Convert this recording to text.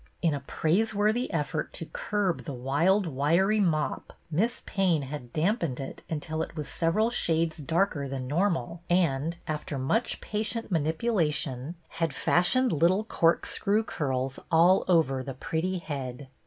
In a praiseworthy effort to curb the wild, wiry nfiop. Miss Payne had dampened it until it was several shades darker than normal, and, after much patient manipulation, had fash 102 BETTY BAIRD ioned little corkscrew curls all over the pretty head.